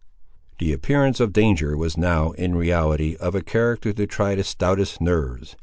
The appearance of danger was now, in reality, of a character to try the stoutest nerves.